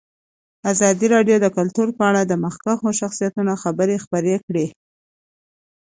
ازادي راډیو د کلتور په اړه د مخکښو شخصیتونو خبرې خپرې کړي.